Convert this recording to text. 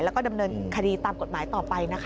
แล้วก็ดำเนินคดีตามกฎหมายต่อไปนะคะ